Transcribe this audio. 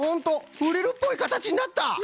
フリルっぽいかたちになった！